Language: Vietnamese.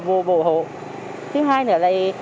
vô bộ hộ